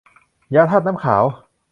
ยาธาตุน้ำขาว